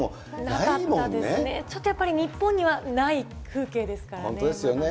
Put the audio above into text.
なかったですね、ちょっとやっぱり日本にはない風景ですからね。